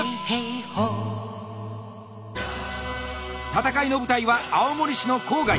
戦いの舞台は青森市の郊外。